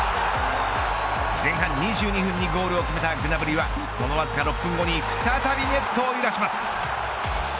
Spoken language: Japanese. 前半２２分にゴールを決めたグナブリはそのわずか６分後に再びネットを揺らします。